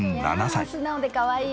素直でかわいい！